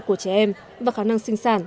của trẻ em và khả năng sinh sản